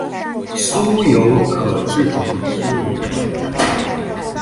酥油可制成酥油茶。